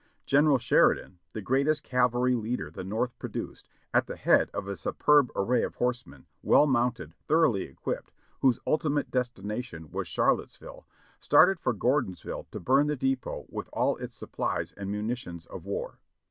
General Sheridan, the greatest cavalry leader the North pro duced, at the head of a superb array of horsemen, well mounted, thoroughly equipped, whose ultimate destination was Charlottes ville, started for Gordonsville to burn the depot with all its supplies and munitions of war.